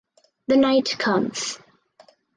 The night comes.